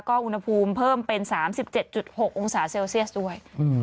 ก็อุณหภูมิเพิ่มเป็น๓๗๖องศาเซลเซียสด้วย